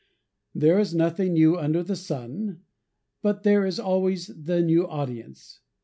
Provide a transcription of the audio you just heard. There is nothing new under the sun, but there is always the new audience.